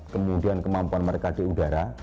kemudian kemampuan mereka di udara